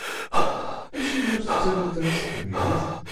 Acimi ur tettarumt ara s teqbaylit?